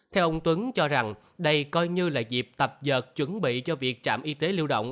theo ông tuấn cho rằng đây coi như là dịp tập dợt chuẩn bị cho việc trạm y tế lưu động